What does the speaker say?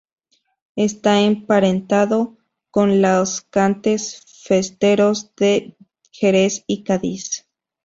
Esta emparentado con los cantes festeros de Jerez y Cádiz.